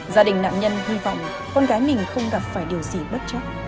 gia đình nạn nhân hy vọng con gái mình không gặp phải điều gì bất chắc